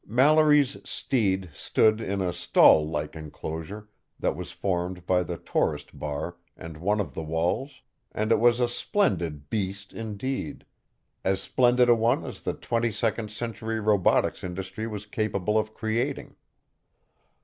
Mallory's steed stood in a stall like enclosure that was formed by the tourist bar and one of the walls, and it was a splendid "beast" indeed as splendid a one as the twenty second century robotics industry was capable of creating.